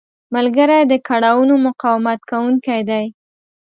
ملګری د کړاوونو مقاومت کوونکی دی